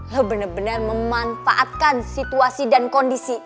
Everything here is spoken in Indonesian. lo bener bener memanfaatkan situasi dan kondisi